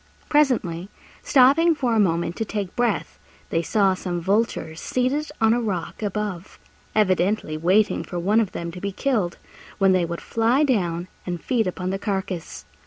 Presently, stopping for a moment to take breath, they saw some vultures seated on a rock above evidently waiting for one of them to be killed, when they would fly down and feed upon the carcase.